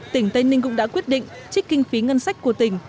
tỉnh tây ninh cũng đã quyết định trích kinh phí ngân sách của tỉnh